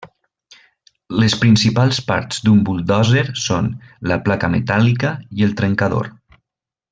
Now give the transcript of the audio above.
Les principals parts d'un buldòzer són: la placa metàl·lica i el trencador.